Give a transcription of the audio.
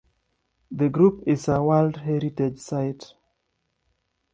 The group is a World Heritage Site.